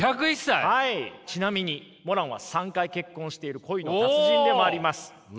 ちなみにモランは３回結婚している恋の達人でもあります。